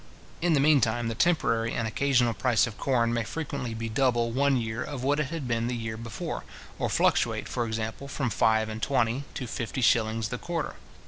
In the mean time, the temporary and occasional price of corn may frequently be double one year of what it had been the year before, or fluctuate, for example, from five and twenty to fifty shillings the quarter.